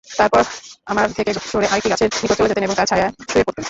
তারপর আমার থেকে সরে আরেকটি গাছের নিকট চলে যেতেন এবং তার ছায়ায় শুয়ে পড়তেন।